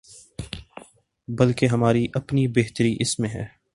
بلکہ ہماری اپنی بہتری اسی میں ہے۔